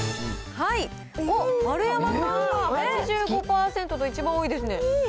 丸山さんが８５％と、一番多いですね。